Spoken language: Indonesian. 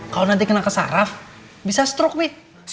kalau nanti kena kesaraf bisa stroke mie